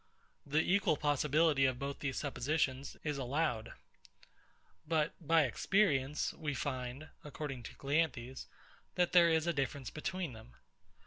The equal possibility of both these suppositions is allowed. But, by experience, we find, (according to CLEANTHES), that there is a difference between them.